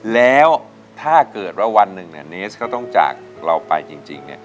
แล้วถ้าเกิดว่าวันหนึ่งเนสก็ต้องจากเราไปจริง